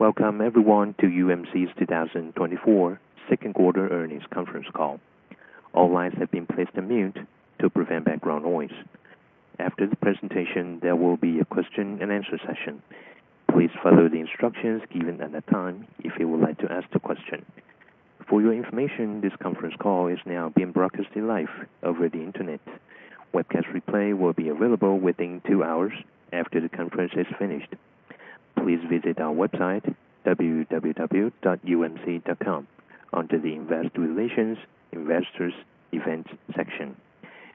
Welcome everyone to UMC's 2024 Second Quarter Earnings Conference Call. All lines have been placed on mute to prevent background noise. After the presentation, there will be a question-and-answer session. Please follow the instructions given at that time if you would like to ask a question. For your information, this conference call is now being broadcast live over the internet. Webcast replay will be available within 2 hours after the conference is finished. Please visit our website, www.umc.com, under the Investor Relations, Investors, Events section.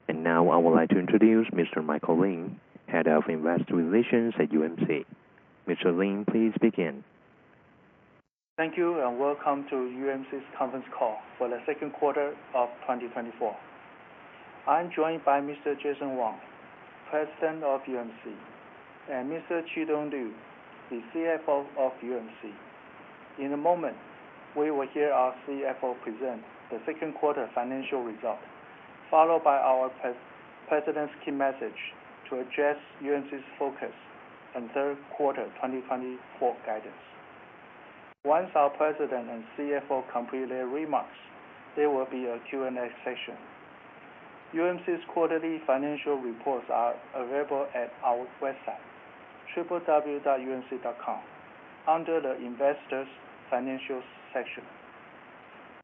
And now I would like to introduce Mr. Michael Lin, Head of Investor Relations at UMC. Mr. Lin, please begin. Thank you and welcome to UMC's conference call for the second quarter of 2024. I'm joined by Mr. Jason Wang, President of UMC, and Mr. Chi-Tung Liu, the CFO of UMC. In a moment, we will hear our CFO present the second quarter financial result, followed by our President's key message to address UMC's focus on third quarter 2024 guidance. Once our President and CFO complete their remarks, there will be a Q&A session. UMC's quarterly financial reports are available at our website, www.umc.com, under the Investor's Financials section.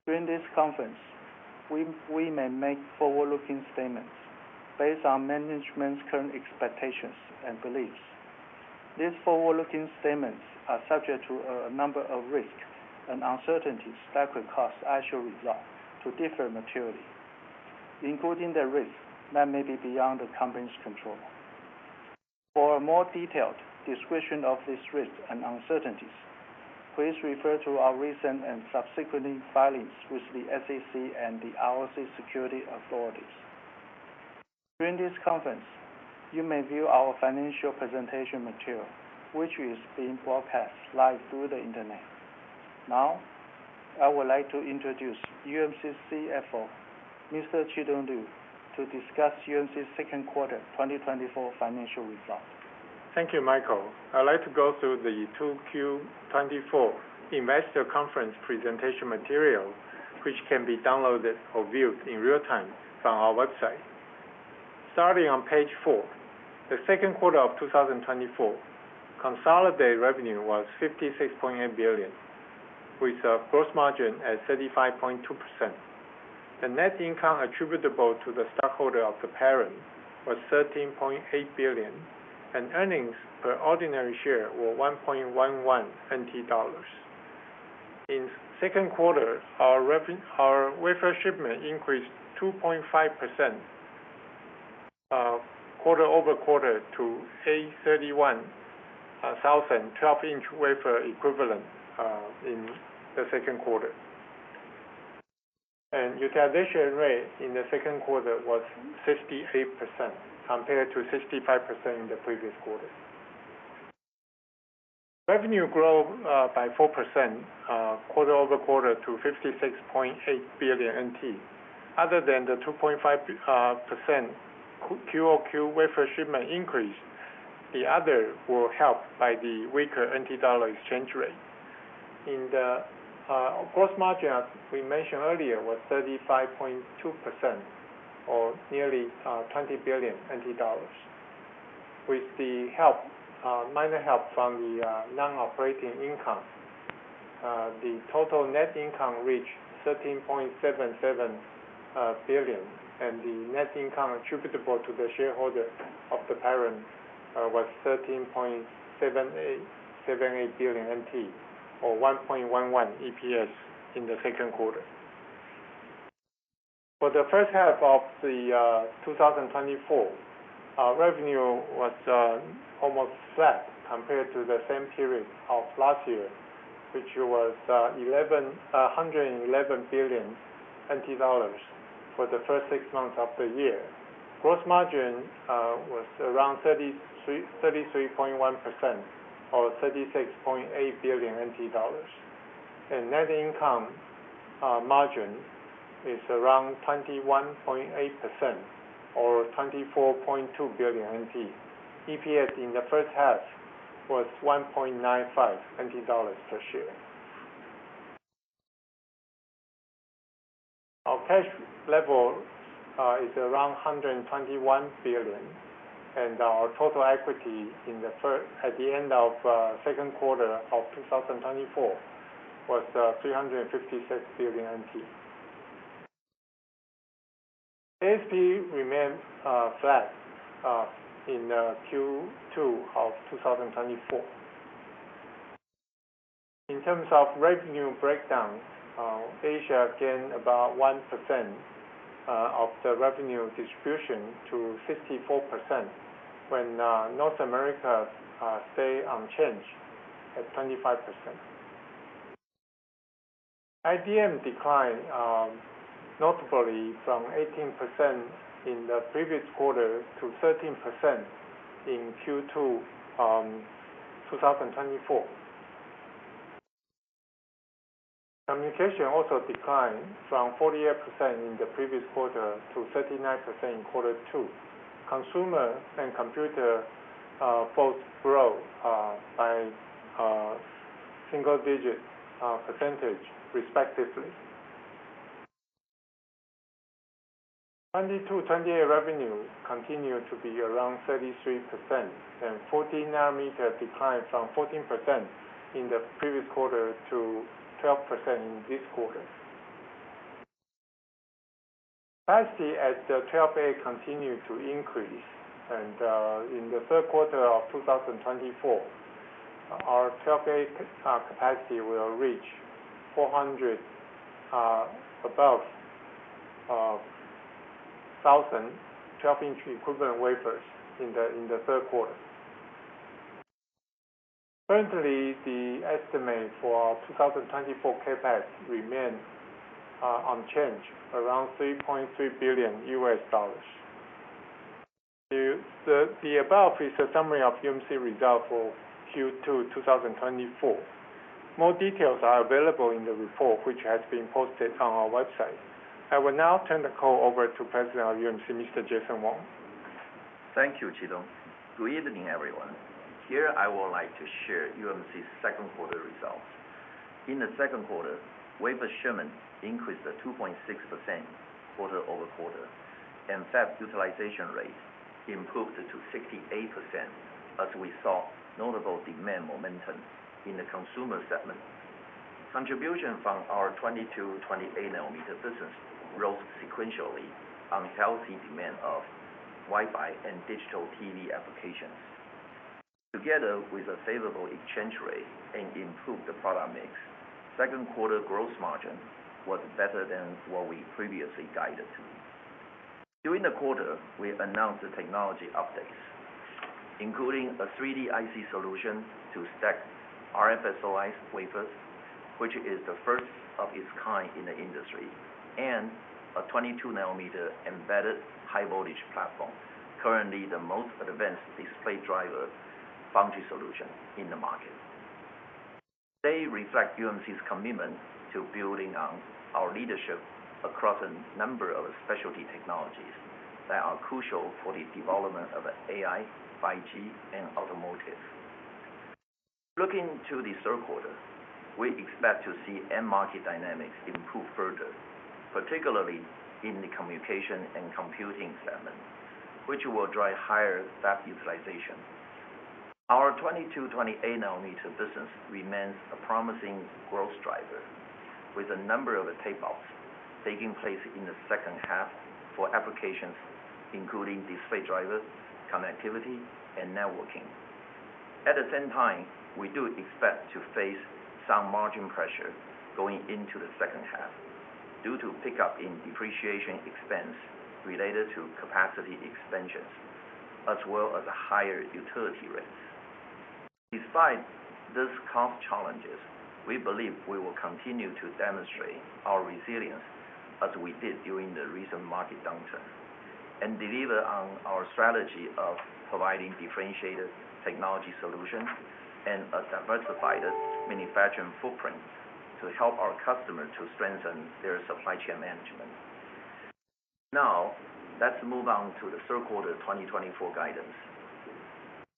During this conference, we may make forward-looking statements based on management's current expectations and beliefs. These forward-looking statements are subject to a number of risks and uncertainties that could cause actual result to differ materially, including the risks that may be beyond the company's control. For a more detailed description of these risks and uncertainties, please refer to our recent and subsequent filings with the SEC and the ROC Securities Authorities. During this conference, you may view our financial presentation material, which is being broadcast live through the internet. Now, I would like to introduce UMC's CFO, Mr. Chi-Tung Liu, to discuss UMC's second quarter 2024 financial result. Thank you, Michael. I'd like to go through the 2Q24 Investor Conference presentation material, which can be downloaded or viewed in real time from our website. Starting on page four, the second quarter of 2024, consolidated revenue was 56.8 billion, with a gross margin at 35.2%. The net income attributable to the stockholder of the parent was 13.8 billion, and earnings per ordinary share were 1.11 NT dollars. In the second quarter, our wafer shipments increased 2.5% quarter-over-quarter to 831,000 12-in wafer equivalents in the second quarter. Utilization rate in the second quarter was 68%, compared to 65% in the previous quarter. Revenue grew by 4% quarter-over-quarter to 56.8 billion NT. Other than the 2.5% QoQ wafer shipment increase, the others were helped by the weaker NT dollar exchange rate. The gross margin we mentioned earlier was 35.2%, or nearly 20 billion NT dollars. With minor help from the non-operating income, the total net income reached 13.77 billion, and the net income attributable to the shareholder of the parent was 13.78 billion NT, or 1.11 EPS in the second quarter. For the first half of 2024, revenue was almost flat compared to the same period of last year, which was 111 billion NT dollars for the first six months of the year. Gross margin was around 33.1%, or 36.8 billion NT dollars. Net income margin is around 21.8%, or 24.2 billion NT. EPS in the first half was 1.95 NT dollars per share. Our cash level is around 121 billion, and our total equity at the end of second quarter of 2024 was TWD 356 billion. ASP remained flat in Q2 of 2024. In terms of revenue breakdown, Asia gained about 1% of the revenue distribution to 54%, when North America stayed unchanged at 25%. IDM declined notably from 18% in the previous quarter to 13% in Q2 2024. Communication also declined from 48% in the previous quarter to 39% in quarter two. Consumer and computer both grew by single-digit percentage, respectively; 22/28-nm revenue continued to be around 33%, and 40-nm declined from 14% in the previous quarter to 12% in this quarter. Capacity at the 12A continued to increase, and in the third quarter of 2024, our 12A capacity will reach 400 above the 1,000 12-in equivalent wafers in the third quarter. Currently, the estimate for 2024 CapEx remained unchanged, around $3.3 billion. The above is a summary of UMC result for Q2 2024. More details are available in the report, which has been posted on our website. I will now turn the call over to President of UMC, Mr. Jason Wang. Thank you, Chi-Tung Liu. Good evening, everyone. Here I would like to share UMC's second quarter results. In the second quarter, wafer shipment increased 2.6% quarter-over-quarter, and fab utilization rate improved to 68%, as we saw notable demand momentum in the consumer segment. Contribution from our 22/28-nm systems rose sequentially on healthy demand of Wi-Fi and digital TV applications. Together with a favorable exchange rate and improved product mix, second quarter gross margin was better than what we previously guided to. During the quarter, we announced technology updates, including a 3D IC solution to stack RF-SOI wafers, which is the first of its kind in the industry, and a 22-nm embedded high-voltage platform, currently the most advanced display driver foundry solution in the market. They reflect UMC's commitment to building on our leadership across a number of specialty technologies that are crucial for the development of AI, 5G, and automotive. Looking to the third quarter, we expect to see end-market dynamics improve further, particularly in the communication and computing segment, which will drive higher fab utilization. Our 22/28-nm business remains a promising growth driver, with a number of payoffs taking place in the second half for applications including display driver, connectivity, and networking. At the same time, we do expect to face some margin pressure going into the second half due to pickup in depreciation expense related to capacity expansions, as well as higher utility rates. Despite these cost challenges, we believe we will continue to demonstrate our resilience as we did during the recent market downturn and deliver on our strategy of providing differentiated technology solutions and a diversified manufacturing footprint to help our customers to strengthen their supply chain management. Now, let's move on to the third quarter 2024 guidance.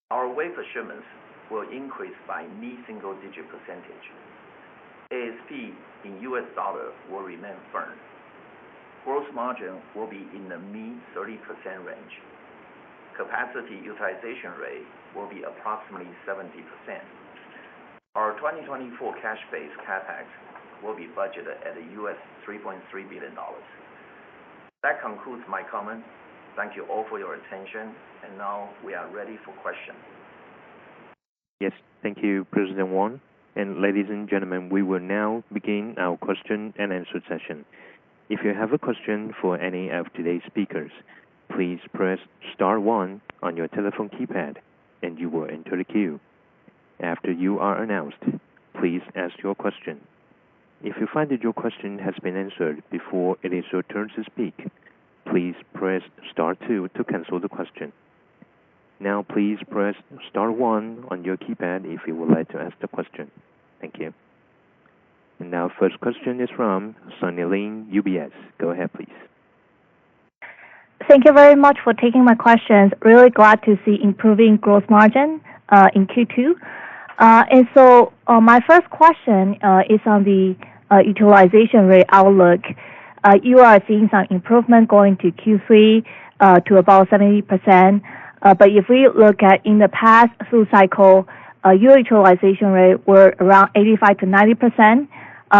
Our wafer shipments will increase by mid single-digit percentage. ASP in US dollar will remain firm. Gross margin will be in the mid-30% range. Capacity utilization rate will be approximately 70%. Our 2024 cash-based CapEx will be budgeted at $3.3 billion. That concludes my comment. Thank you all for your attention, and now we are ready for questions. Yes, thank you, President Wang. Ladies and gentlemen, we will now begin our question-and-answer session. If you have a question for any of today's speakers, please press star one on your telephone keypad, and you will enter the queue. After you are announced, please ask your question. If you find that your question has been answered before it is your turn to speak, please press star two to cancel the question. Now, please press star one on your keypad if you would like to ask the question. Thank you. Now, first question is from Sunny Lin, UBS. Go ahead, please. Thank you very much for taking my questions. Really glad to see improving gross margin in Q2. And so my first question is on the utilization rate outlook. You are seeing some improvement going to Q3 to about 70%. But if we look at in the past full cycle, your utilization rate were around 85%-90%.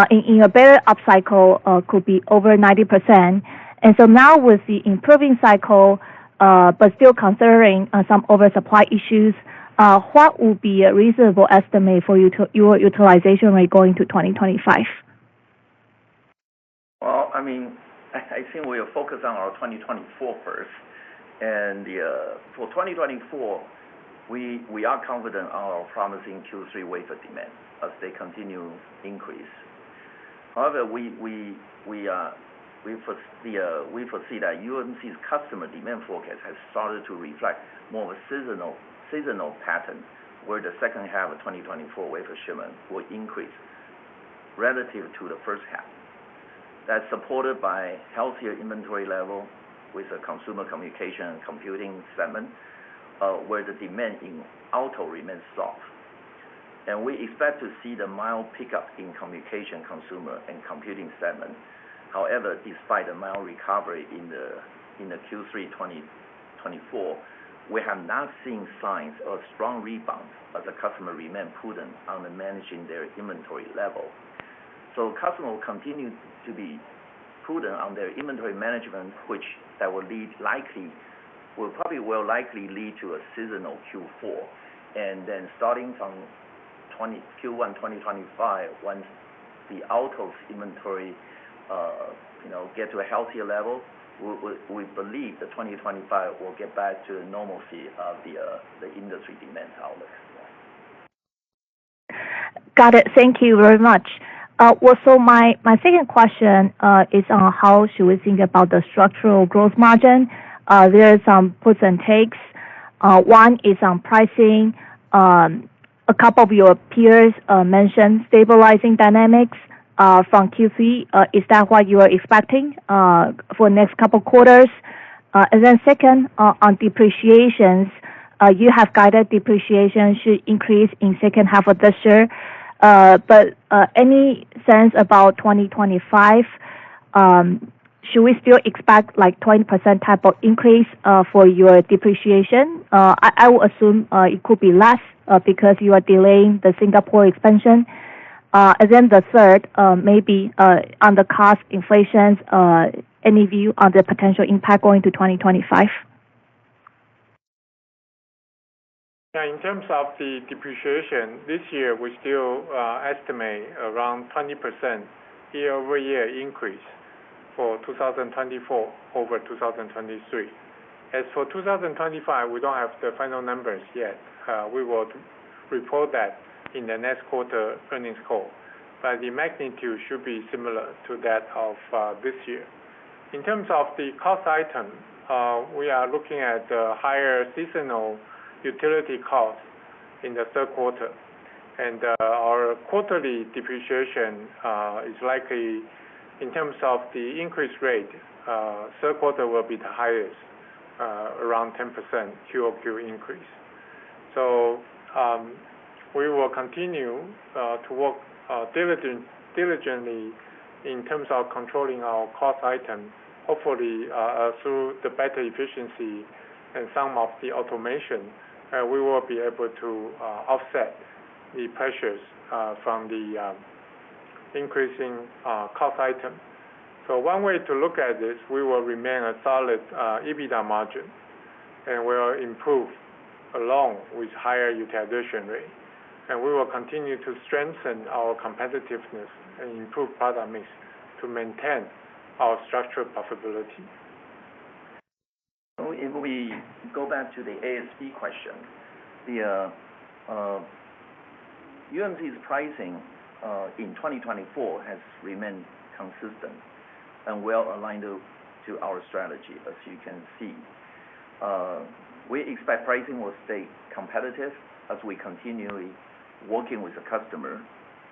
In a better up cycle, it could be over 90%. And so now with the improving cycle, but still considering some oversupply issues, what would be a reasonable estimate for your utilization rate going to 2025? Well, I mean, I think we'll focus on our 2024 first. For 2024, we are confident on our promising Q3 wafer demand as they continue to increase. However, we foresee that UMC's customer demand forecast has started to reflect more of a seasonal pattern where the second half of 2024 wafer shipment will increase relative to the first half. That's supported by healthier inventory level with the consumer communication and computing segment, where the demand in auto remains soft. We expect to see the mild pickup in communication, consumer, and computing segment. However, despite the mild recovery in the Q3 2024, we have not seen signs of a strong rebound as the customer remains prudent on managing their inventory level. Customers will continue to be prudent on their inventory management, which will likely lead to a seasonal Q4. And then starting from Q1 2025, once the auto's inventory gets to a healthier level, we believe that 2025 will get back to the normalcy of the industry demand outlook. Got it. Thank you very much. Well, so my second question is on how should we think about the structural gross margin? There are some pros and cons. One is on pricing. A couple of your peers mentioned stabilizing dynamics from Q3. Is that what you are expecting for the next couple of quarters? And then second, on depreciation, you have guided depreciation should increase in second half of this year. But any sense about 2025, should we still expect like 20% type of increase for your depreciation? I will assume it could be less because you are delaying the Singapore expansion. And then the third, maybe on the cost inflation, any view on the potential impact going to 2025? Yeah. In terms of the depreciation, this year we still estimate around 20% year-over-year increase for 2024 over 2023. As for 2025, we don't have the final numbers yet. We will report that in the next quarter earnings call. But the magnitude should be similar to that of this year. In terms of the cost item, we are looking at the higher seasonal utility costs in the third quarter. And our quarterly depreciation is likely in terms of the increase rate, third quarter will be the highest, around 10% quarter-over-quarter increase. So we will continue to work diligently in terms of controlling our cost item, hopefully through the better efficiency and some of the automation, we will be able to offset the pressures from the increasing cost item. One way to look at this, we will remain a solid EBITDA margin, and we will improve along with higher utilization rate. We will continue to strengthen our competitiveness and improve product mix to maintain our structural profitability. So if we go back to the ASP question, the UMC's pricing in 2024 has remained consistent and well aligned to our strategy, as you can see. We expect pricing will stay competitive as we continually working with the customer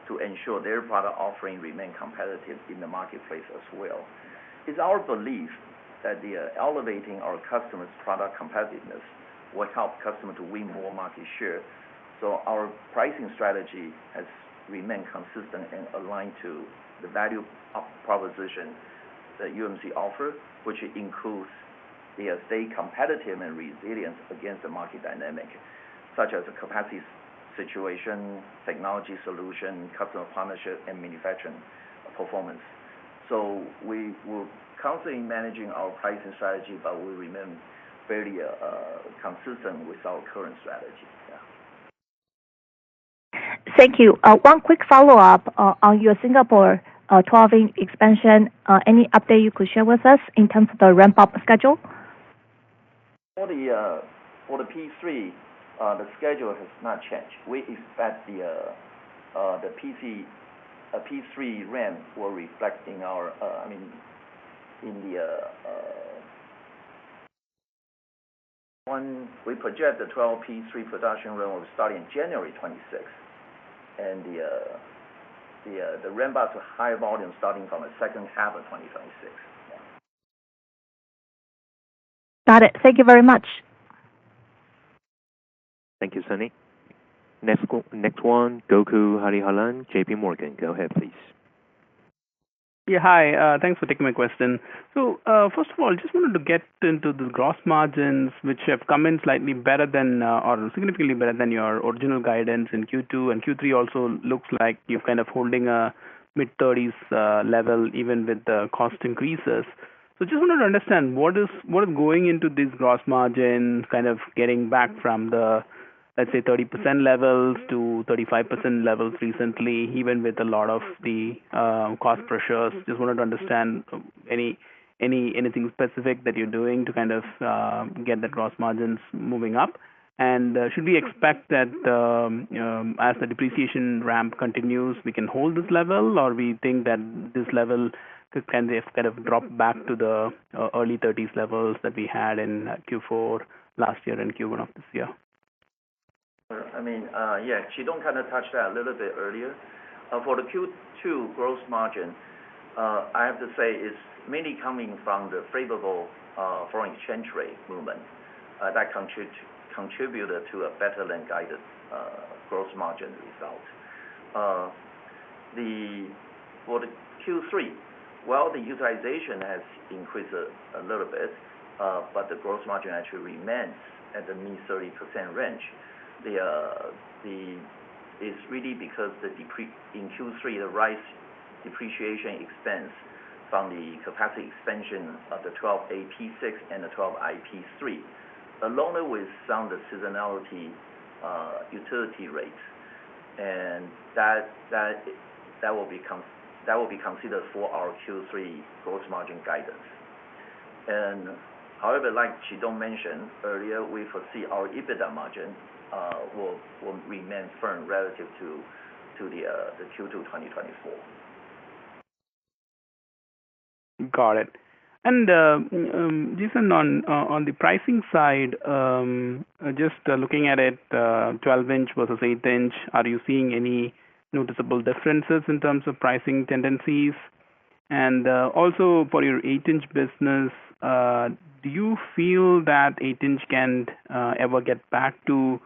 to ensure their product offering remains competitive in the marketplace as well. It's our belief that elevating our customers' product competitiveness will help customers to win more market share. So our pricing strategy has remained consistent and aligned to the value proposition that UMC offer, which includes they are staying competitive and resilient against the market dynamic, such as capacity situation, technology solution, customer partnership, and manufacturing performance. So we will constantly manage our pricing strategy, but we remain fairly consistent with our current strategy. Yeah. Thank you. One quick follow-up on your Singapore 12i expansion. Any update you could share with us in terms of the ramp-up schedule? For the P3, the schedule has not changed. We expect the P3 ramp will reflect in our, I mean, in the one we project, the 12i P3 production ramp will start in January 26th. And the ramp-up to high volume starting from the second half of 2026. Yeah. Got it. Thank you very much. Thank you, Sunny. Next one, Gokul Hariharan, JPMorgan. Go ahead, please. Yeah. Hi. Thanks for taking my question. So first of all, I just wanted to get into the gross margins, which have come in slightly better than or significantly better than your original guidance in Q2. And Q3 also looks like you're kind of holding a mid-30s level even with the cost increases. So just wanted to understand what is going into these gross margins, kind of getting back from the, let's say, 30% levels to 35% levels recently, even with a lot of the cost pressures. Just wanted to understand anything specific that you're doing to kind of get the gross margins moving up. And should we expect that as the depreciation ramp continues, we can hold this level, or we think that this level can kind of drop back to the early 30s levels that we had in Q4 last year and Q1 of this year? I mean, yeah, Chi-Tung Liu kind of touched that a little bit earlier. For the Q2 gross margin, I have to say it's mainly coming from the favorable foreign exchange rate movement that contributed to a better-than-guided gross margin result. For the Q3, while the utilization has increased a little bit, but the gross margin actually remains at the mean 30% range. It's really because in Q3, the rise depreciation expense from the capacity expansion of the 12A P6 and the 12i P3, along with some of the seasonality utility rates. And that will be considered for our Q3 gross margin guidance. However, like Chi-Tung Liu mentioned earlier, we foresee our EBITDA margin will remain firm relative to the Q2 2024. Got it. And just on the pricing side, just looking at it, 12-in versus 8-in, are you seeing any noticeable differences in terms of pricing tendencies? And also for your 8-in business, do you feel that 8-in can ever get back to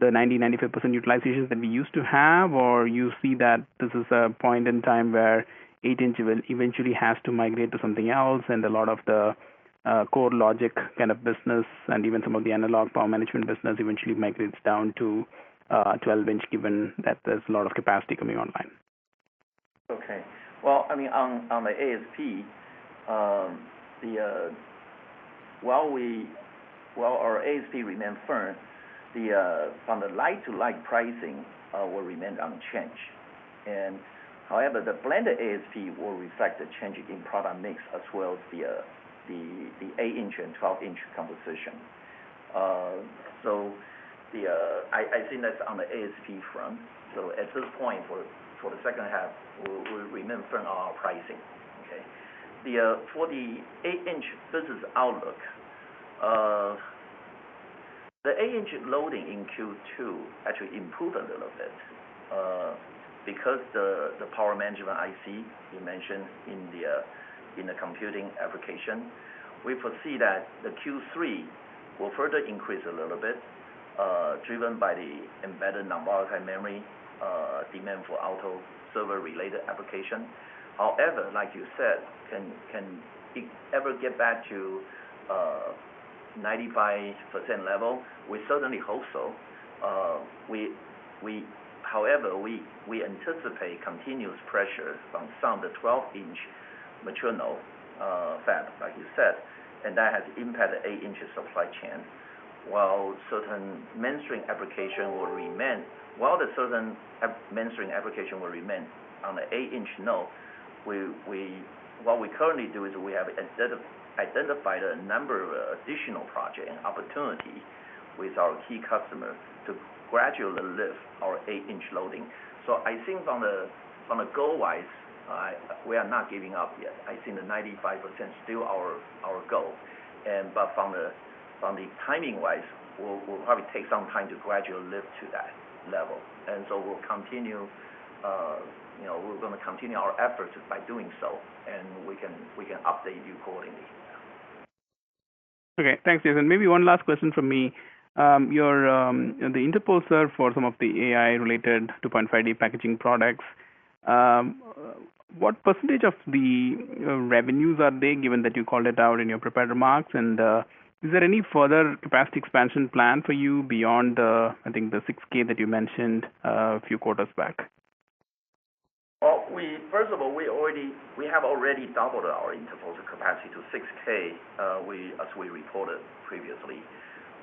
the 90%-95% utilization that we used to have, or you see that this is a point in time where 8-in eventually has to migrate to something else and a lot of the core logic kind of business and even some of the analog power management business eventually migrates down to 12-in, given that there's a lot of capacity coming online? Okay. Well, I mean, on the ASP, while our ASP remains firm, from the like-to-like pricing will remain unchanged. And however, the blended ASP will reflect the change in product mix as well as the 8-in and 12-in composition. So I think that's on the ASP front. So at this point, for the second half, we remain firm on our pricing. Okay. For the 8-in business outlook, the 8-in loading in Q2 actually improved a little bit because the power management IC you mentioned in the computing application. We foresee that the Q3 will further increase a little bit, driven by the embedded nonvolatile memory demand for auto server-related application. However, like you said, can it ever get back to 95% level? We certainly hope so. However, we anticipate continuous pressure from some of the 12-in mature fab, like you said, and that has impacted 8-in supply chain. While the certain mainstream application will remain on the 8-in node, what we currently do is we have identified a number of additional projects and opportunities with our key customers to gradually lift our 8-in loading. So I think from the goal-wise, we are not giving up yet. I think the 95% is still our goal. But from the timing-wise, we'll probably take some time to gradually lift to that level. And so we'll continue our efforts by doing so, and we can update you accordingly. Yeah. Okay. Thanks, Jason. Maybe one last question from me. The interposer, sir, for some of the AI-related 2.5D packaging products, what percentage of the revenues are they, given that you called it out in your prepared remarks? And is there any further capacity expansion plan for you beyond, I think, the 6,000 that you mentioned a few quarters back? Well, first of all, we have already doubled our interposer capacity to 6,000, as we reported previously,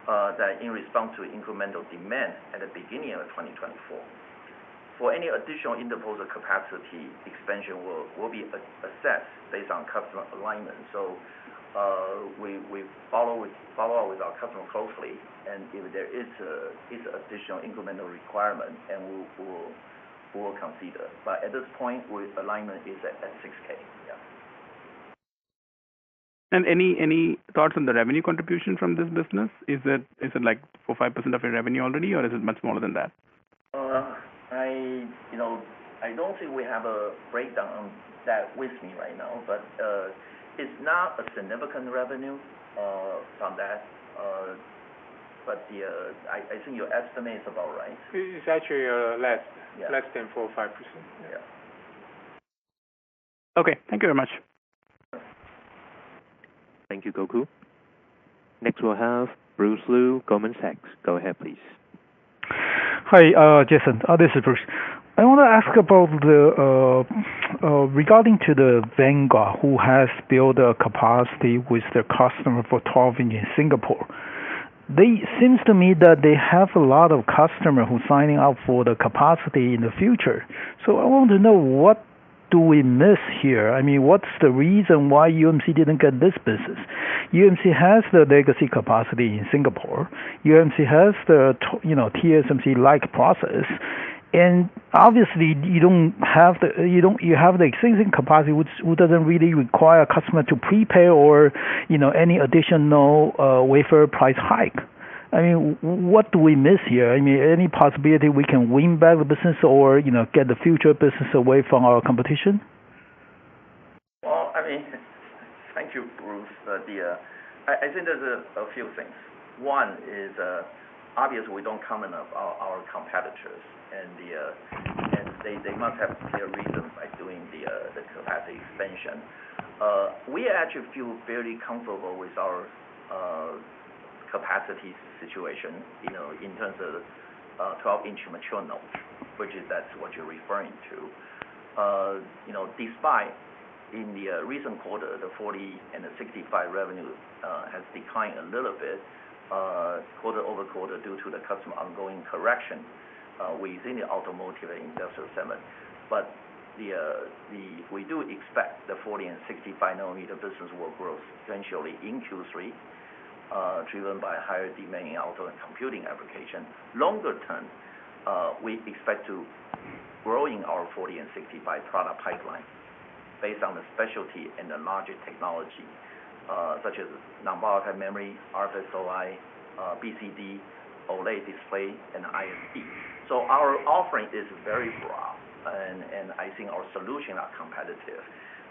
that in response to incremental demand at the beginning of 2024. For any additional interposer capacity expansion, we'll be assessed based on customer alignment. So we follow up with our customer closely, and if there is an additional incremental requirement, we will consider. But at this point, alignment is at 6,000. Yeah. Any thoughts on the revenue contribution from this business? Is it like 4%-5% of your revenue already, or is it much smaller than that? I don't think we have a breakdown on that with me right now, but it's not a significant revenue from that. I think your estimate is about right. It's actually less than 4% or 5%. Yeah. Okay. Thank you very much. Thank you, Gokul. Next, we'll have Bruce Lu, Goldman Sachs. Go ahead, please. Hi, Jason. This is Bruce Lu. I want to ask about regarding to the Vanguard, who has built a capacity with their customer for 12-in in Singapore. It seems to me that they have a lot of customers who are signing up for the capacity in the future. So I want to know, what do we miss here? I mean, what's the reason why UMC didn't get this business? UMC has the legacy capacity in Singapore. UMC has the TSMC-like process. And obviously, you don't have the you have the existing capacity, which doesn't really require a customer to prepay or any additional wafer price hike. I mean, what do we miss here? I mean, any possibility we can win back the business or get the future business away from our competition? Well, I mean, thank you, Bruce. I think there's a few things. One is, obviously, we don't comment on our competitors, and they must have clear reasons for doing the capacity expansion. We actually feel very comfortable with our capacity situation in terms of 12-in materials, which is, that's what you're referring to. Despite, in the recent quarter, the 40-nm and the 65-nm revenue has declined a little bit quarter-over-quarter due to the customer's ongoing correction within the automotive and industrial segment. But we do expect the 40-nm and 65-nm business will grow substantially in Q3, driven by higher demand in auto and computing applications. Longer term, we expect to grow in our 40-nm and 65-nm product pipeline based on the specialty and logic technology, such as nonvolatile memory, RF-SOI, BCD, OLED display, and ISP. So our offering is very broad, and I think our solutions are competitive.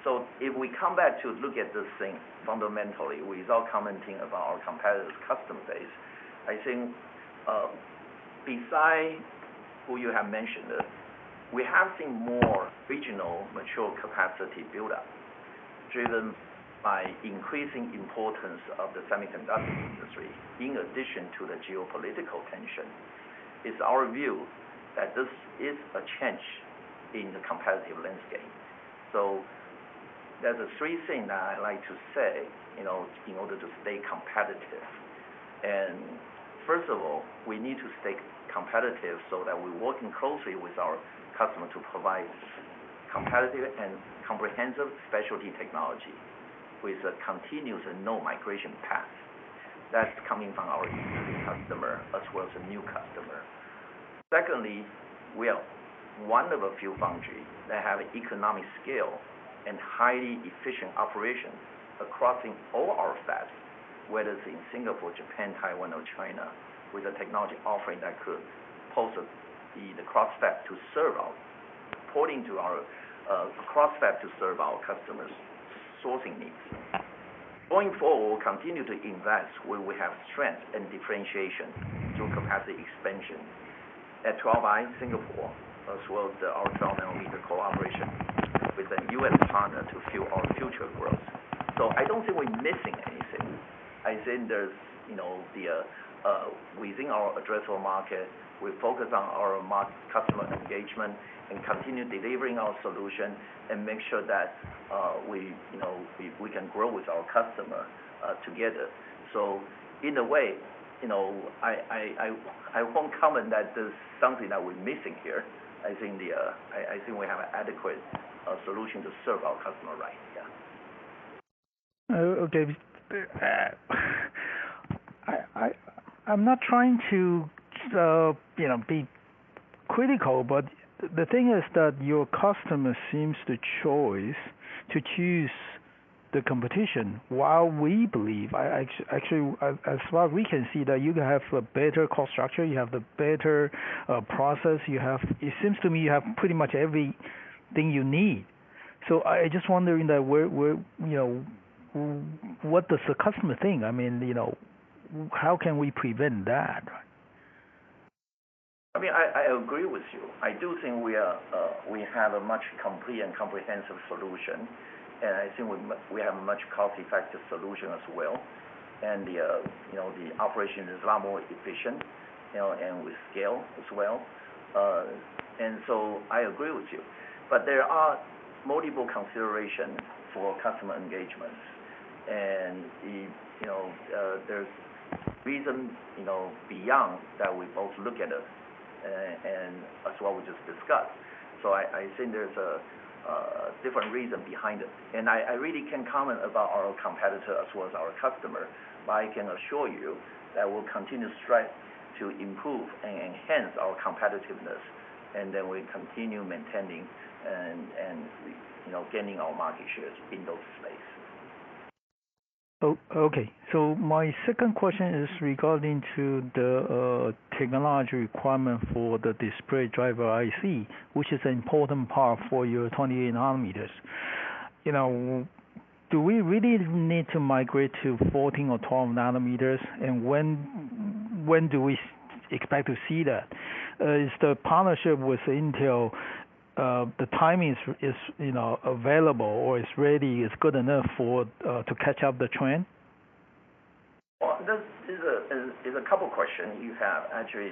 So if we come back to look at this thing fundamentally, without commenting about our competitors' customer base, I think besides who you have mentioned, we have seen more regional mature capacity buildup driven by increasing importance of the semiconductor industry in addition to the geopolitical tension. It's our view that this is a change in the competitive landscape. So there's three things that I'd like to say in order to stay competitive. And first of all, we need to stay competitive so that we're working closely with our customer to provide competitive and comprehensive specialty technology with a continuous and no migration path. That's coming from our existing customer as well as a new customer. Secondly, we are one of a few foundries that have economic scale and highly efficient operations across all our fabs, whether it's in Singapore, Japan, Taiwan, or China, with a technology offering that could possibly be the cross-fab to serve our according to our cross-fab to serve our customers' sourcing needs. Going forward, we'll continue to invest where we have strength and differentiation through capacity expansion at 12i Singapore, as well as our 12-nm collaboration with a U.S. partner to fuel our future growth. So I don't think we're missing anything. I think there's within our addressable market, we focus on our customer engagement and continue delivering our solution and make sure that we can grow with our customer together. So in a way, I won't comment that there's something that we're missing here. I think we have an adequate solution to serve our customer right. Yeah. Okay. I'm not trying to be critical, but the thing is that your customer seems to choose the competition while we believe actually, as far as we can see, that you can have a better cost structure, you have the better process, it seems to me you have pretty much everything you need. So I just wonder what does the customer think? I mean, how can we prevent that? I mean, I agree with you. I do think we have a much complete and comprehensive solution, and I think we have a much cost-effective solution as well. And the operation is a lot more efficient, and we scale as well. And so I agree with you. But there are multiple considerations for customer engagement, and there's reason beyond that we both look at it, as well as we just discussed. So I think there's a different reason behind it. And I really can't comment about our competitor as well as our customer, but I can assure you that we'll continue to strive to improve and enhance our competitiveness, and then we continue maintaining and gaining our market shares in those space. Okay. So my second question is regarding to the technology requirement for the display driver IC, which is an important part for your 28-nm. Do we really need to migrate to 14-nm or 12-nm, and when do we expect to see that? Is the partnership with Intel, the timing is available or it's ready, it's good enough to catch up the trend? Well, there's a couple of questions you have. Actually,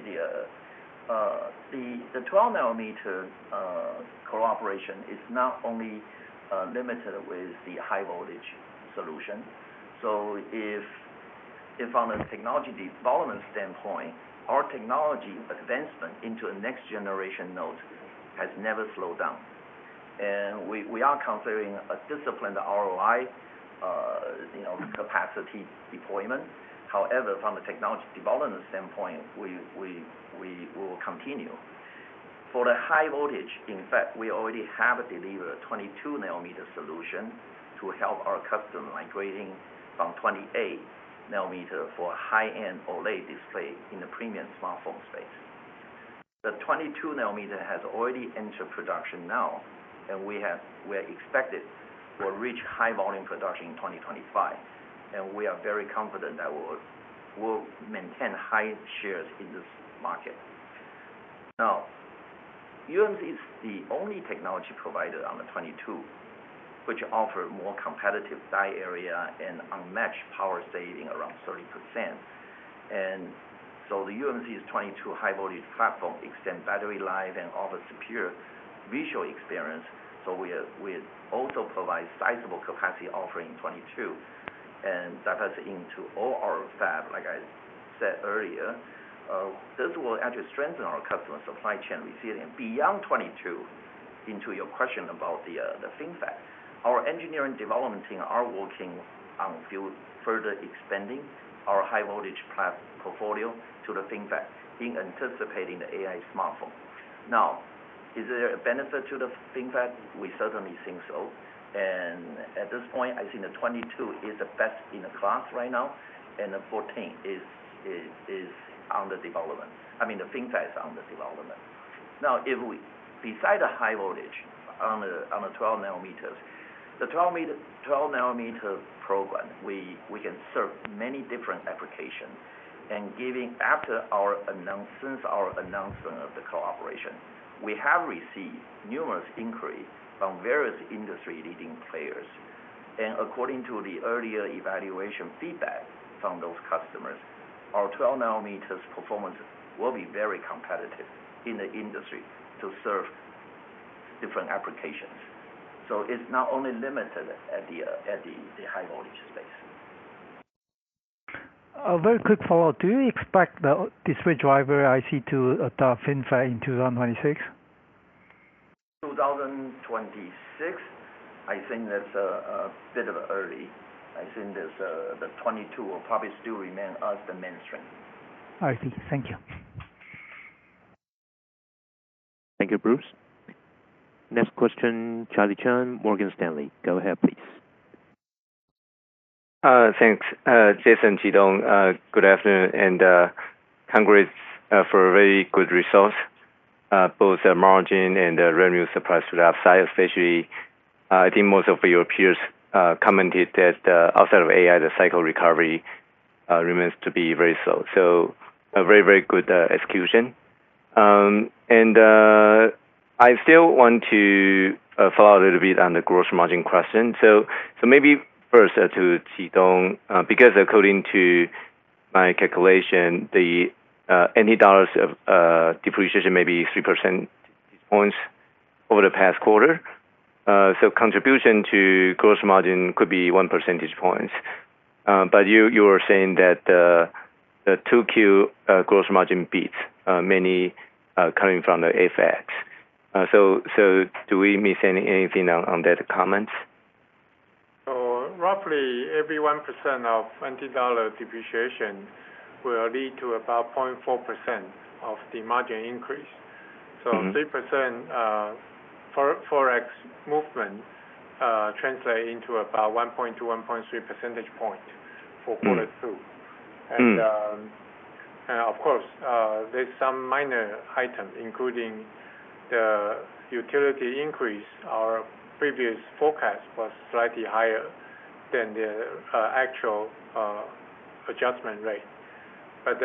the 12-nm collaboration is not only limited with the high-voltage solution. So, from a technology development standpoint, our technology advancement into a next-generation node has never slowed down. And we are considering a disciplined ROI capacity deployment. However, from a technology development standpoint, we will continue. For the high voltage, in fact, we already have delivered a 22-nm solution to help our customer migrating from 28-nm for high-end OLED display in the premium smartphone space. The 22-nm has already entered production now, and we expect it will reach high-volume production in 2025. And we are very confident that we'll maintain high shares in this market. Now, UMC is the only technology provider on the 22, which offers more competitive die area and unmatched power saving around 30%. So the UMC's 22-nm high-voltage platform extends battery life and offers superior visual experience. So we also provide sizable capacity offering in 22-nm and 28-nm into all our fabs, like I said earlier. This will actually strengthen our customer supply chain resilience beyond 22-nm. Into your question about the FinFET, our engineering development team are working on further expanding our high-voltage portfolio to the FinFET in anticipating the AI smartphone. Now, is there a benefit to the FinFET? We certainly think so. And at this point, I think the 22-nm is the best-in-class right now, and the 14-nm is under development. I mean, the FinFET is under development. Now, besides the high voltage on the 12-nms, the 12-nm program, we can serve many different applications. And after our announcement of the collaboration, we have received numerous inquiries from various industry-leading players. According to the earlier evaluation feedback from those customers, our 12-nm performance will be very competitive in the industry to serve different applications. It's not only limited at the high-voltage space. A very quick follow-up. Do you expect the display driver IC to adopt FinFET in 2026? Twenty-twenty six? I think that's a bit early. I think the 22-nm will probably still remain as the mainstream. I see. Thank you. Thank you, Bruce. Next question, Charlie Chan, Morgan Stanley. Go ahead, please. Thanks, Jason. Chi-Tung. Good afternoon, and congrats for a very good results. Both the margin and the revenue surprised to the outside, especially I think most of your peers commented that outside of AI, the cycle recovery remains to be very slow. So a very, very good execution. And I still want to follow a little bit on the gross margin question. So maybe first to Chi-Tung, because according to my calculation, the NT dollars depreciation may be 3 percentage points over the past quarter. So contribution to gross margin could be 1 percentage point. But you were saying that the 2Q gross margin beats many coming from the FX. So do we miss anything on that comment? So roughly every 1% of NT dollar depreciation will lead to about 0.4% of the margin increase. So 3% Forex movement translates into about 1.2-1.3 percentage point for quarter two. And of course, there's some minor items, including the utility increase. Our previous forecast was slightly higher than the actual adjustment rate. But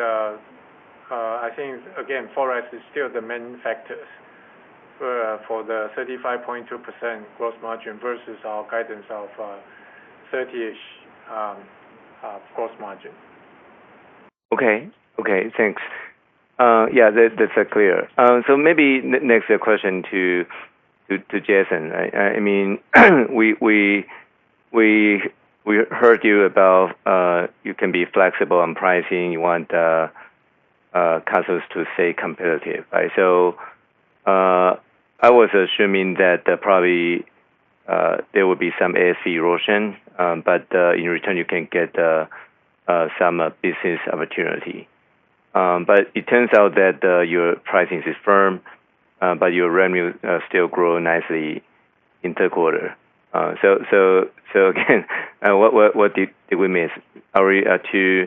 I think, again, Forex is still the main factors for the 35.2% gross margin versus our guidance of 30-ish gross margin. Okay. Okay. Thanks. Yeah, that's clear. So maybe next question to Jason. I mean, we heard you about you can be flexible on pricing. You want customers to stay competitive. So I was assuming that probably there would be some ASP erosion, but in return, you can get some business opportunity. But it turns out that your pricing is firm, but your revenue still grows nicely in third quarter. So again, what did we miss? Are we too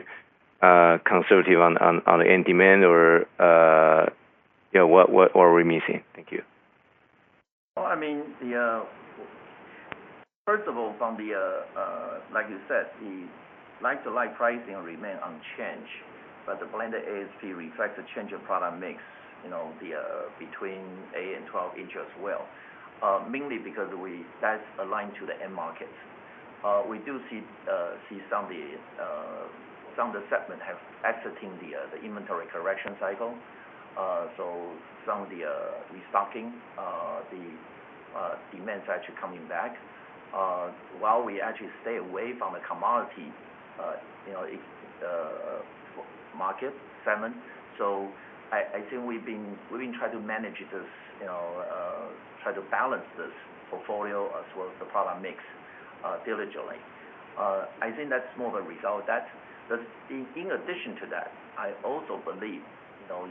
conservative on end demand, or what are we missing? Thank you. Well, I mean, first of all, like you said, the like-to-like pricing remains unchanged, but the blended ASP reflects a change of product mix between 8-in and 12-in as well, mainly because that's aligned to the end market. We do see some of the segment have exiting the inventory correction cycle. So some of the restocking, the demand is actually coming back while we actually stay away from the commodity market segment. So I think we've been trying to manage this, try to balance this portfolio as well as the product mix diligently. I think that's more of a result of that. In addition to that, I also believe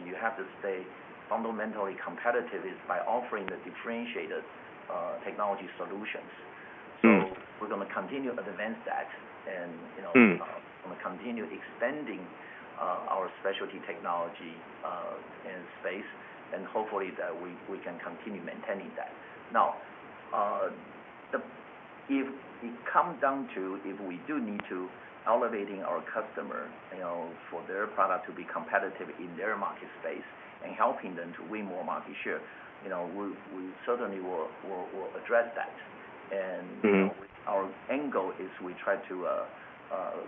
you have to stay fundamentally competitive by offering the differentiated technology solutions. So we're going to continue advance that, and we're going to continue expanding our specialty technology in space, and hopefully that we can continue maintaining that. Now, if it comes down to if we do need to elevate our customer for their product to be competitive in their market space and helping them to win more market share, we certainly will address that. Our end goal is we try to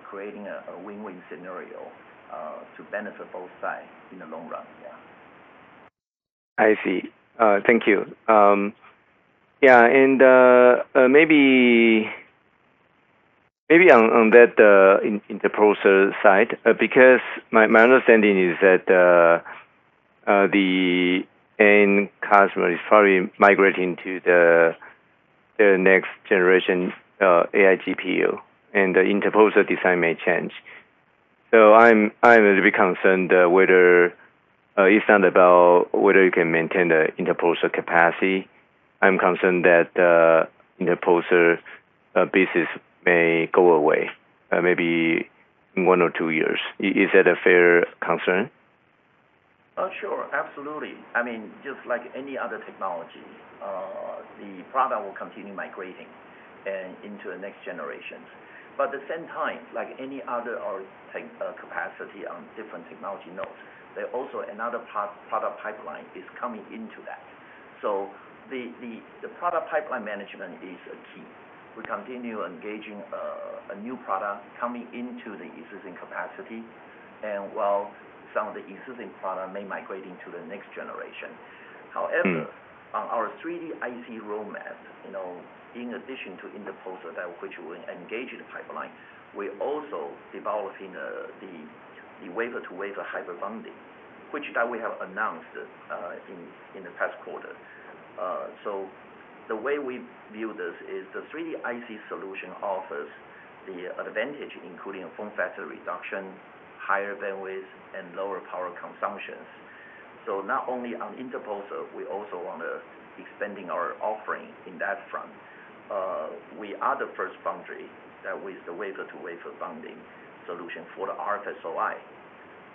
create a win-win scenario to benefit both sides in the long run. Yeah. I see. Thank you. Yeah. And maybe on that interposer side, because my understanding is that the end customer is probably migrating to the next generation AI GPU, and the interposer design may change. So I'm a little bit concerned whether it's not about whether you can maintain the interposer capacity. I'm concerned that the interposer business may go away maybe in one or two years. Is that a fair concern? Sure. Absolutely. I mean, just like any other technology, the product will continue migrating into the next generations. But at the same time, like any other capacity on different technology nodes, there's also another product pipeline that is coming into that. So the product pipeline management is key. We continue engaging a new product coming into the existing capacity, and while some of the existing product may migrate into the next generation. However, on our 3D IC roadmap, in addition to interposer, which will engage the pipeline, we're also developing the wafer-to-wafer hybrid bonding, which we have announced in the past quarter. So the way we view this is the 3D IC solution offers the advantage, including form factor reduction, higher bandwidth, and lower power consumptions. So not only on interposer, we also want to expand our offering in that front. We are the first foundry that with the wafer-to-wafer bonding solution for the RF-SOI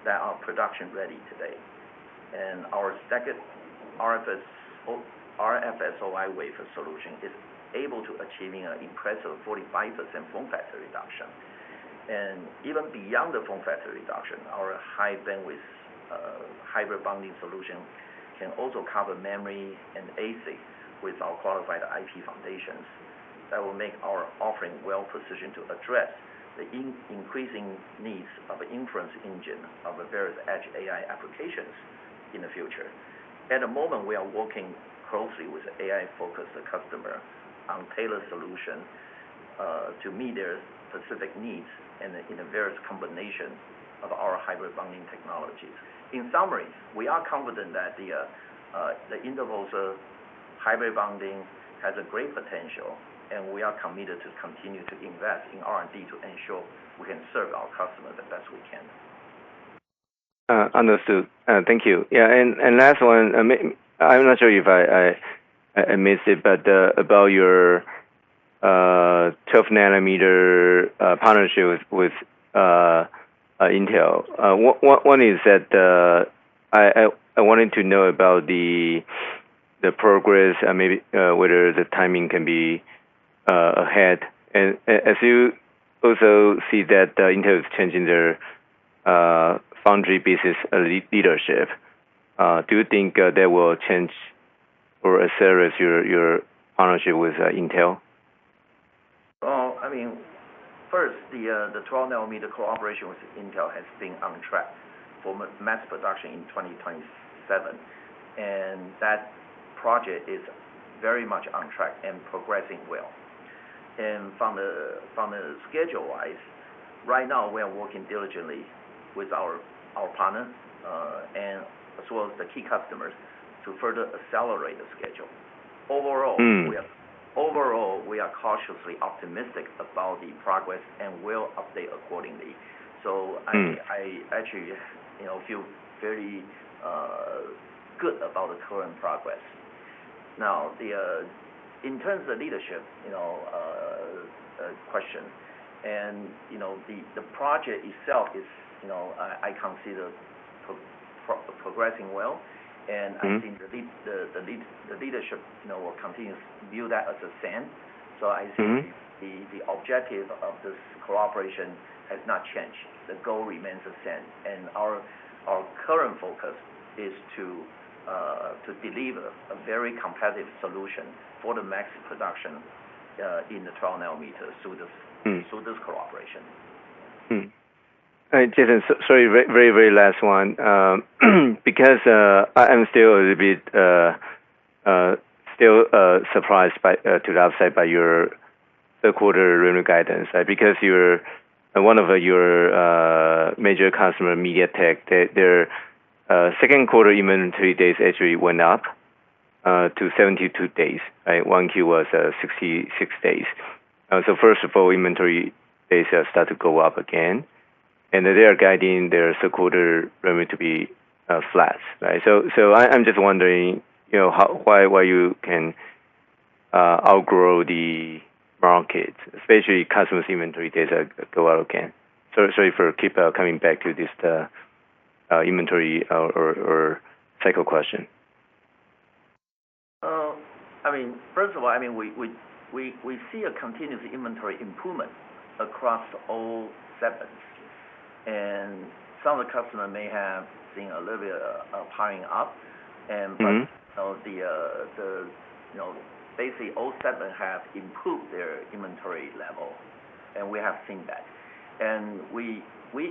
that are production ready today. Our second RF-SOI wafer solution is able to achieve an impressive 45% form factor reduction. Even beyond the form factor reduction, our high bandwidth hybrid bonding solution can also cover memory and ASIC with our qualified IP foundations that will make our offering well-positioned to address the increasing needs of inference engine of various edge AI applications in the future. At the moment, we are working closely with AI-focused customer on tailored solutions to meet their specific needs in a various combination of our hybrid bonding technologies. In summary, we are confident that the interposer hybrid bonding has a great potential, and we are committed to continue to invest in R&D to ensure we can serve our customers the best we can. Understood. Thank you. Yeah. And last one, I'm not sure if I missed it, but about your 12-nm partnership with Intel. One is that I wanted to know about the progress and maybe whether the timing can be ahead. And as you also see that Intel is changing their foundry business leadership, do you think that will change or accelerate your partnership with Intel? Well, I mean, first, the 12-nm collaboration with Intel has been on track for mass production in 2027. That project is very much on track and progressing well. From the schedule-wise, right now, we are working diligently with our partner and as well as the key customers to further accelerate the schedule. Overall, we are cautiously optimistic about the progress and will update accordingly. I actually feel very good about the current progress. Now, in terms of the leadership question, and the project itself, I consider progressing well. I think the leadership will continue to view that as a win. I think the objective of this collaboration has not changed. The goal remains the same. Our current focus is to deliver a very competitive solution for the mass production in the 12-nm through this collaboration. Jason, sorry, very, very last one. Because I'm still a little bit still surprised to the outside by your third quarter revenue guidance. Because one of your major customers, MediaTek, their second quarter inventory days actually went up to 72 days. 1Q was 66 days. So first of all, inventory days start to go up again. And they are guiding their third quarter revenue to be flat. So I'm just wondering why you can outgrow the market, especially customers' inventory days go out again. Sorry for keep coming back to this inventory or cycle question. I mean, first of all, I mean, we see a continuous inventory improvement across all segments. And some of the customers may have seen a little bit of piling up. But basically all segments have improved their inventory level. And we have seen that. And we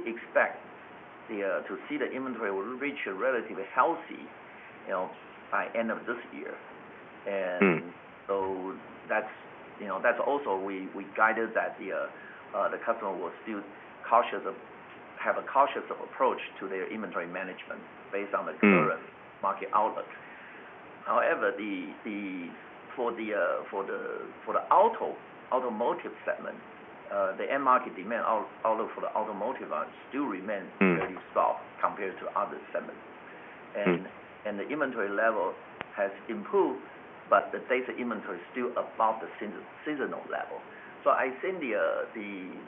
expect to see the inventory reach a relatively healthy by end of this year. And so that's also we guided that the customer will still have a cautious approach to their inventory management based on the current market outlook. However, for the automotive segment, the end market demand for the automotive still remains fairly soft compared to other segments. And the inventory level has improved, but the base inventory is still above the seasonal level. So I think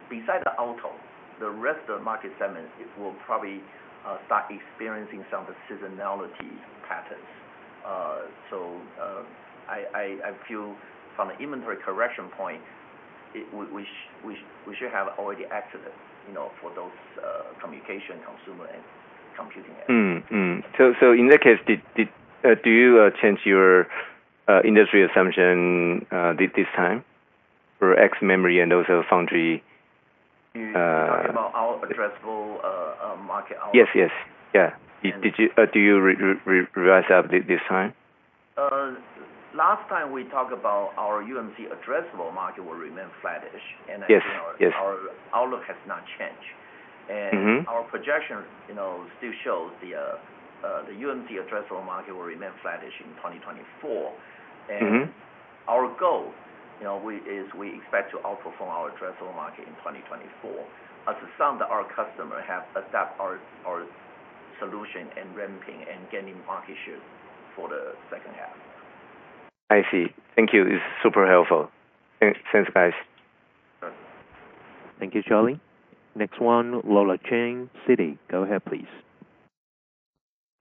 besides the auto, the rest of the market segment will probably start experiencing some of the seasonality patterns. I feel from the inventory correction point, we should have already exited for those communication, consumer, and computing ends. In that case, do you change your industry assumption this time for ex-memory and also foundry? You're talking about our addressable market outlook? Yes, yes. Yeah. Do you revise this time? Last time we talked about our UMC addressable market will remain flat-ish. Our outlook has not changed. Our projection still shows the UMC addressable market will remain flat-ish in 2024. Our goal is we expect to outperform our addressable market in 2024 as some of our customers have adapted our solution and ramping and gaining market share for the second half. I see. Thank you. It's super helpful. Thanks, guys. Sure. Thank you, Charlie. Next one, Laura Chen, Citi. Go ahead, please.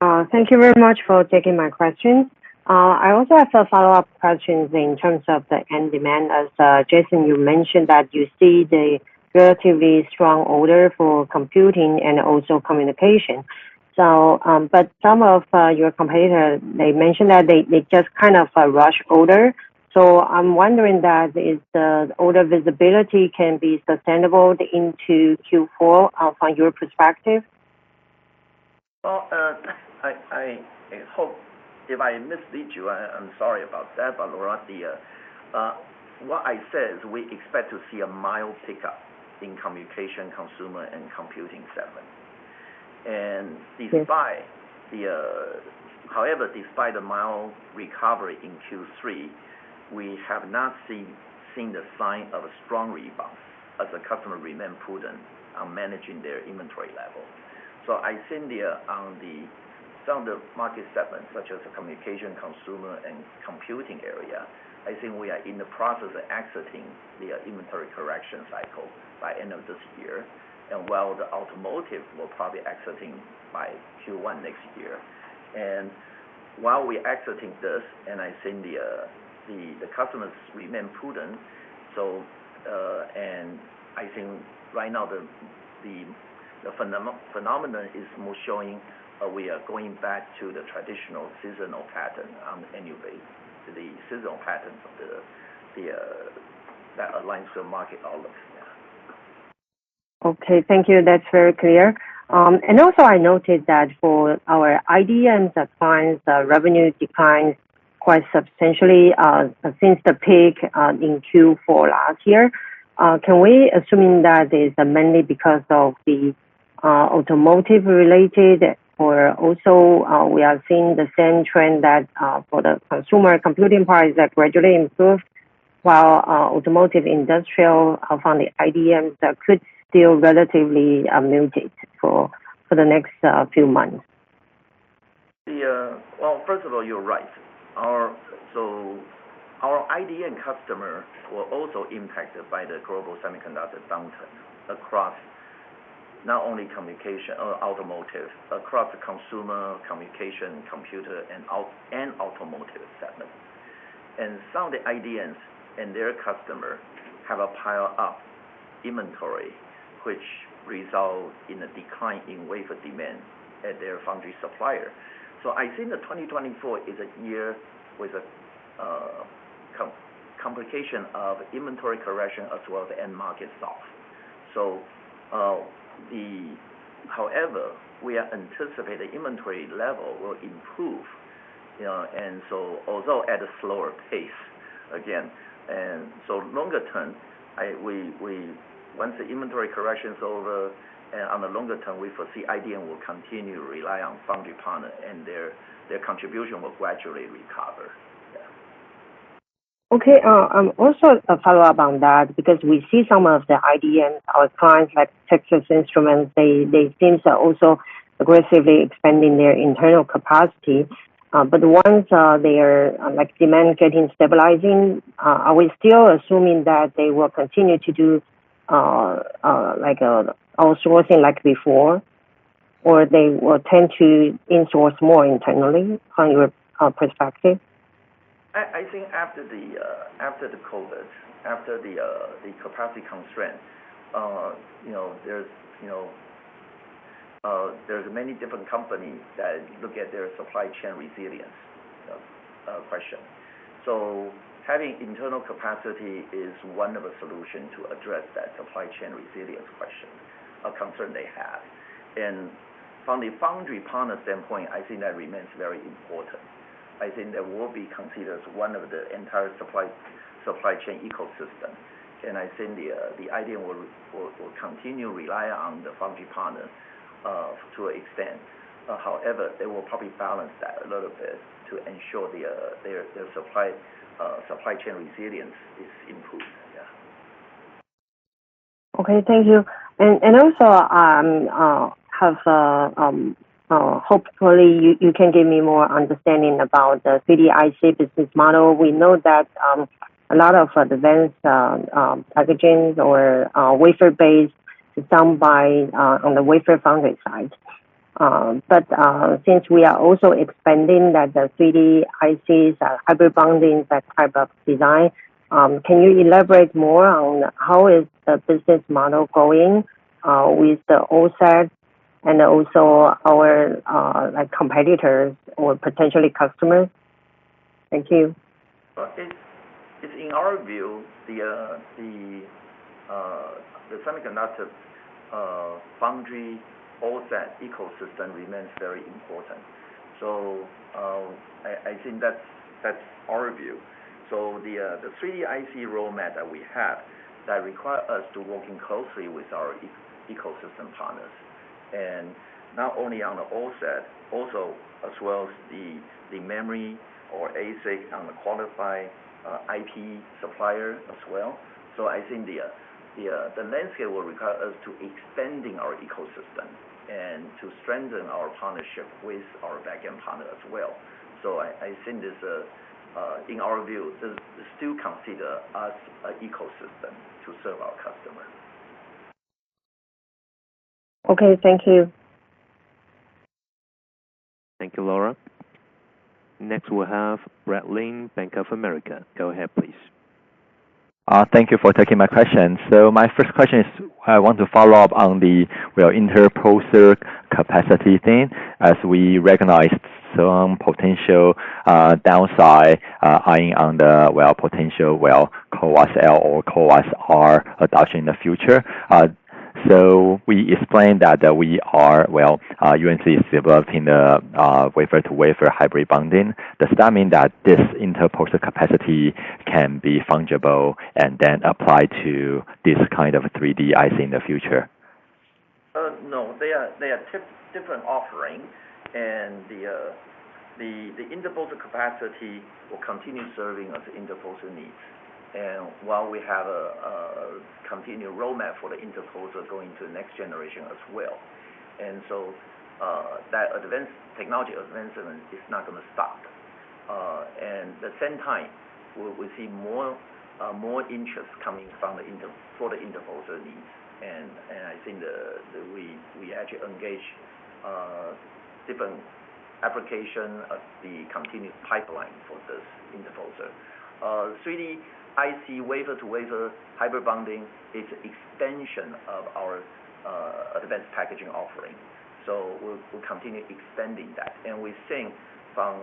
Thank you very much for taking my questions. I also have a follow-up question in terms of the end demand. As Jason, you mentioned that you see the relatively strong order for computing and also communication. But some of your competitors, they mentioned that they just kind of rush order. So I'm wondering that if the order visibility can be sustainable into Q4 from your perspective? Well, I hope if I mislead you, I'm sorry about that, but Laura, what I said is we expect to see a mild pickup in communication, consumer, and computing segment. However, despite the mild recovery in Q3, we have not seen the sign of a strong rebound as the customer remains prudent on managing their inventory level. So I think on some of the market segments such as the communication, consumer, and computing area, I think we are in the process of exiting the inventory correction cycle by end of this year. And while the automotive will probably be exiting by Q1 next year. And while we're exiting this, and I think the customers remain prudent. And I think right now the phenomenon is more showing we are going back to the traditional seasonal pattern on the annual basis. The seasonal patterns that aligns with the market outlook. Yeah. Okay. Thank you. That's very clear. Also, I noted that for our IDMs, the revenue declined quite substantially since the peak in Q4 last year. Can we assume that it's mainly because of the automotive-related, or also we are seeing the same trend that for the consumer computing price that gradually improved, while automotive industrial from the IDMs that could still relatively muted for the next few months? Well, first of all, you're right. So our IDM customers were also impacted by the global semiconductor downturn across not only communication or automotive, across the consumer, communication, computer, and automotive segment. And some of the IDMs and their customers have a pile-up inventory, which results in a decline in wafer demand at their foundry supplier. So I think the 2024 is a year with a complication of inventory correction as well as the end market soft. So however, we anticipate the inventory level will improve. And so although at a slower pace, again, and so longer term, once the inventory correction is over, and on the longer term, we foresee IDM will continue to rely on foundry partners, and their contribution will gradually recover. Yeah. Okay. Also, a follow-up on that, because we see some of the IDM, our clients like Texas Instruments, they seem to also aggressively expanding their internal capacity. But once their demand getting stabilizing, are we still assuming that they will continue to do outsourcing like before, or they will tend to insource more internally from your perspective? I think after the COVID, after the capacity constraint, there's many different companies that look at their supply chain resilience question. So having internal capacity is one of the solutions to address that supply chain resilience question, a concern they have. And from the foundry partner standpoint, I think that remains very important. I think that will be considered as one of the entire supply chain ecosystem. And I think the IDM will continue to rely on the foundry partner to an extent. However, they will probably balance that a little bit to ensure their supply chain resilience is improved. Yeah. Okay. Thank you. And also, hopefully, you can give me more understanding about the DDIC business model. We know that a lot of advanced packaging or wafer-based is done on the wafer foundry side. But since we are also expanding that the 3D ICs, hybrid bonding, that type of design, can you elaborate more on how is the business model going with the OSAT and also our competitors or potentially customers? Thank you. Well, in our view, the semiconductor foundry OSAT ecosystem remains very important. So I think that's our view. So the 3D IC roadmap that we have that requires us to work closely with our ecosystem partners. And not only on the OSAT, also as well as the memory or ASIC on the qualified IP supplier as well. So I think the landscape will require us to expand our ecosystem and to strengthen our partnership with our backend partner as well. So I think in our view, this still considers us an ecosystem to serve our customer. Okay. Thank you. Thank you, Laura. Next, we have Brad Lin, Bank of America. Go ahead, please. Thank you for taking my question. My first question is I want to follow up on the interposer capacity thing as we recognize some potential downside eyeing on the potential CoWoS-L or CoWoS-R adoption in the future. We explained that UMC is developing the wafer-to-wafer hybrid bonding. Does that mean that this interposer capacity can be fungible and then applied to this kind of 3D IC in the future? No. They are different offerings. The interposer capacity will continue serving us interposer needs. While we have a continued roadmap for the interposer going to the next generation as well. So that technology advancement is not going to stop. At the same time, we see more interest coming for the interposer needs. I think we actually engage different applications. The continued pipeline for this interposer; 3D IC wafer-to-wafer hybrid bonding is an extension of our advanced packaging offering. So we'll continue expanding that. We think for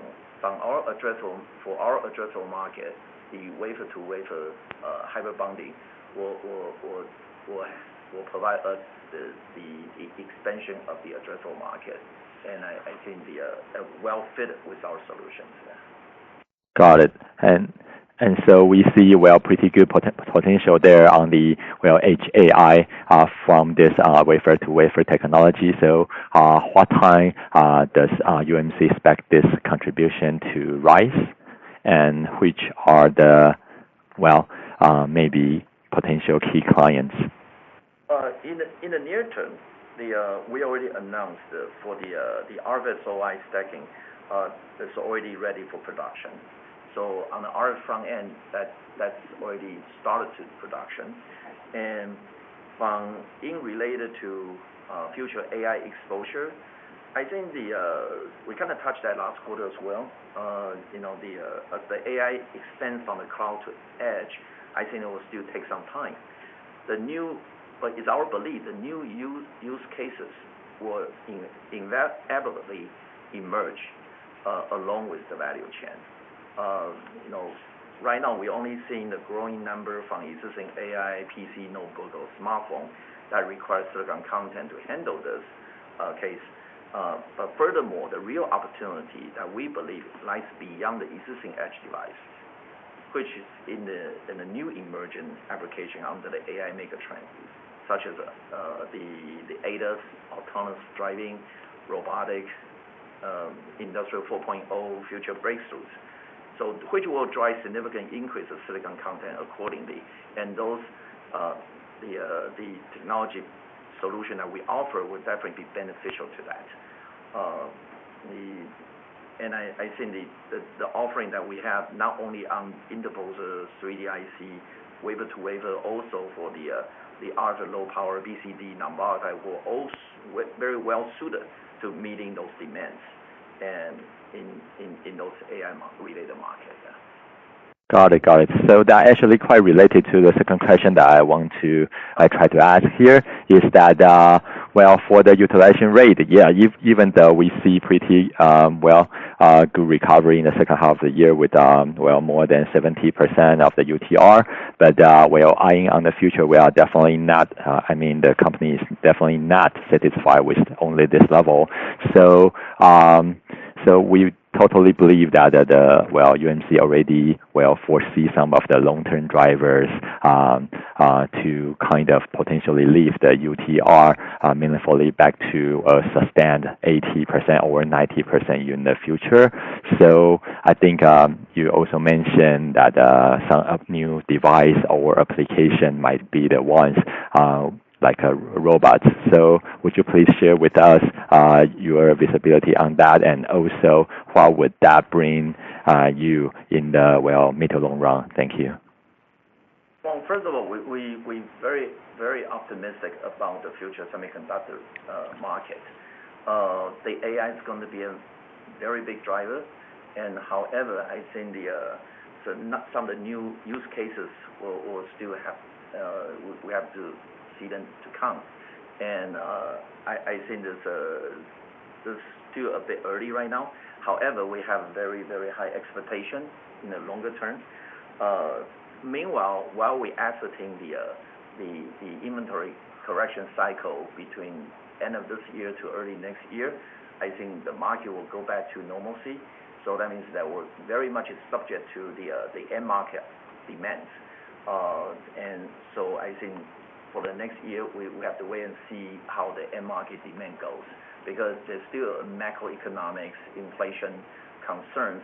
our addressable market, the wafer-to-wafer hybrid bonding will provide the expansion of the addressable market. I think they are well fitted with our solutions. Got it. And so we see pretty good potential there on the edge AI from this wafer-to-wafer technology. So what time does UMC expect this contribution to rise? And which are the, well, maybe potential key clients? In the near term, we already announced for the RF-SOI stacking is already ready for production. So on our front end, that's already started to production. And related to future AI exposure, I think we kind of touched that last quarter as well. The AI extends from the cloud to edge. I think it will still take some time. But it's our belief the new use cases will inevitably emerge along with the value chain. Right now, we're only seeing the growing number from existing AI, PC, notebook, or smartphone that requires silicon content to handle this case. But furthermore, the real opportunity that we believe lies beyond the existing edge device, which is in the new emerging application under the AI mega trends, such as the ADAS, autonomous driving, robotics, industrial 4.0, future breakthroughs, which will drive significant increase of silicon content accordingly. The technology solution that we offer will definitely be beneficial to that. I think the offering that we have, not only on interposers, 3D IC, wafer-to-wafer, also for the RF-SOI low-power BCD non-volatile will also be very well-suited to meeting those demands in those AI-related markets. Got it. Got it. So that actually quite related to the second question that I want to try to ask here is that, well, for the utilization rate, yeah, even though we see pretty well good recovery in the second half of the year with more than 70% of the UTR, but eyeing on the future, we are definitely not, I mean, the company is definitely not satisfied with only this level. So we totally believe that UMC already foresee some of the long-term drivers to kind of potentially leave the UTR meaningfully back to sustained 80% or 90% in the future. So I think you also mentioned that some new device or application might be the ones like robots. So would you please share with us your visibility on that? And also, how would that bring you in the middle long run? Thank you. Well, first of all, we're very, very optimistic about the future semiconductor market. The AI is going to be a very big driver. However, I think some of the new use cases will still have we have to see them to come. I think it's still a bit early right now. However, we have very, very high expectations in the longer term. Meanwhile, while we're exiting the inventory correction cycle between end of this year to early next year, I think the market will go back to normalcy. So that means that we're very much subject to the end market demands. So I think for the next year, we have to wait and see how the end market demand goes because there's still macroeconomics, inflation concerns.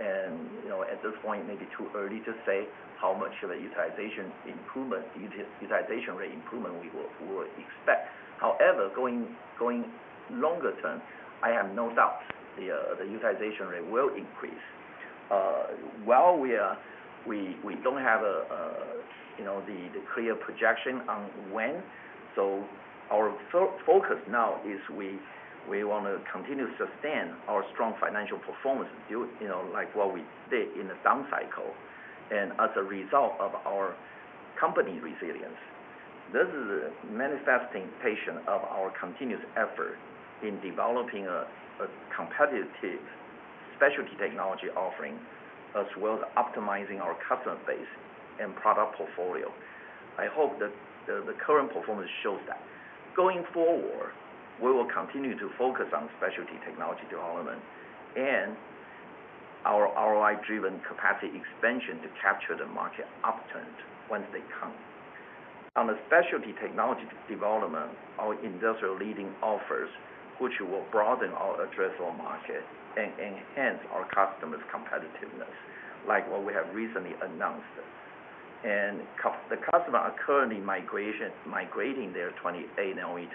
At this point, maybe too early to say how much of a utilization improvement, utilization rate improvement we will expect. However, going longer term, I have no doubt the utilization rate will increase. While we don't have the clear projection on when, so our focus now is we want to continue to sustain our strong financial performance while we stay in the down cycle. And as a result of our company resilience, this is a manifestation of our continuous effort in developing a competitive specialty technology offering as well as optimizing our customer base and product portfolio. I hope that the current performance shows that. Going forward, we will continue to focus on specialty technology development and our ROI-driven capacity expansion to capture the market upturn once they come. On the specialty technology development, our industry-leading offerings, which will broaden our addressable market and enhance our customers' competitiveness, like what we have recently announced. And the customers are currently migrating their 28-nm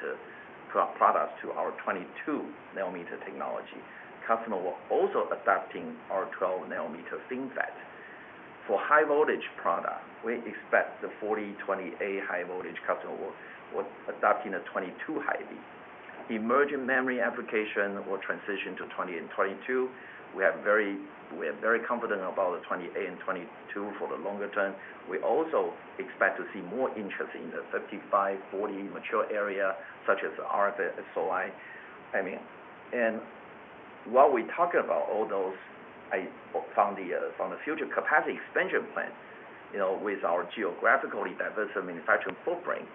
products to our 22-nm technology. Customers will also adopt our 12-nm FinFET. For high-voltage products, we expect the 40/28-nm high-voltage customers will adopt the 22-nm High-V. Embedded memory applications will transition to 28-nm and 22-nm. We are very confident about the 28-nm and 22-nm for the longer term. We also expect to see more interest in the 55-nm, 40-nm mature area, such as RF-SOI. I mean, and while we're talking about all those, from the future capacity expansion plan with our geographically diverse manufacturing footprint,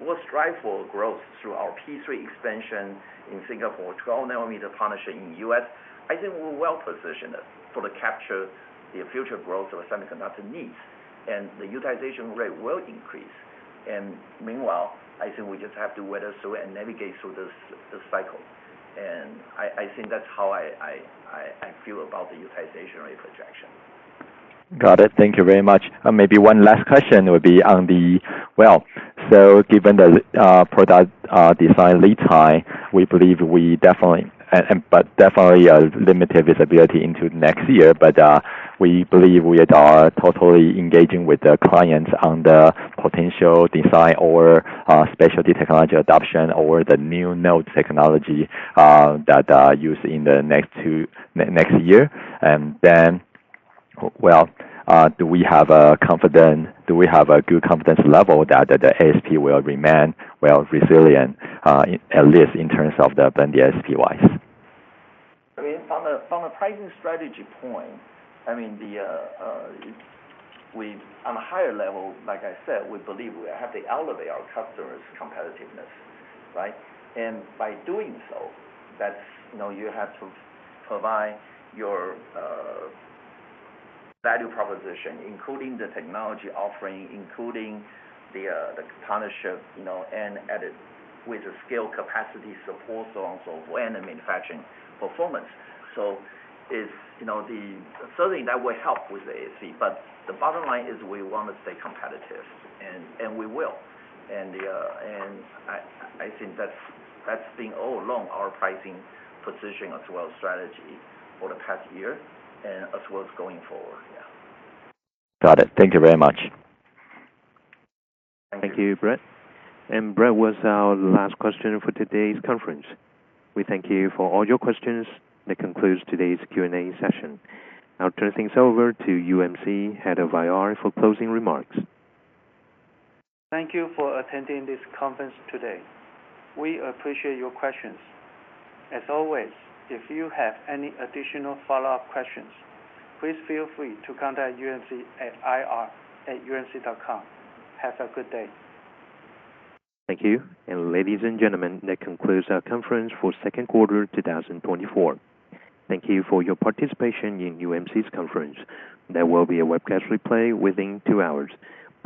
we'll strive for growth through our P3 expansion in Singapore, 12-nm partnership in the U.S. I think we're well positioned for the capture of the future growth of semiconductor needs. The utilization rate will increase. Meanwhile, I think we just have to weather through and navigate through the cycle. I think that's how I feel about the utilization rate projection. Got it. Thank you very much. Maybe one last question would be on the, well, so given the product design lead time, we believe we definitely, but definitely limited visibility into next year. But we believe we are totally engaging with the clients on the potential design or specialty technology adoption or the new node technology that is used in the next year. And then, well, do we have a confidence? Do we have a good confidence level that the ASP will remain well resilient, at least in terms of the band ASP-wise? I mean, from a pricing strategy point, I mean, on a higher level, like I said, we believe we have to elevate our customers' competitiveness, right? And by doing so, you have to provide your value proposition, including the technology offering, including the partnership, and with the scale capacity support, so on and so forth, and the manufacturing performance. So it's certainly that will help with the ASP. But the bottom line is we want to stay competitive. And we will. And I think that's been all along our pricing position as well as strategy for the past year and as well as going forward. Yeah. Got it. Thank you very much. Thank you. Thank you, Brad. Brad was our last question for today's conference. We thank you for all your questions. That concludes today's Q&A session. I'll turn things over to UMC Head of IR for closing remarks. Thank you for attending this conference today. We appreciate your questions. As always, if you have any additional follow-up questions, please feel free to contact UMC at ir@umc.com. Have a good day. Thank you. Ladies and gentlemen, that concludes our conference for second quarter 2024. Thank you for your participation in UMC's conference. There will be a webcast replay within 2 hours.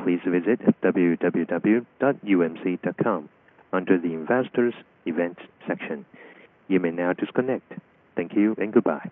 Please visit www.umc.com under the Investors Events section. You may now disconnect. Thank you and goodbye.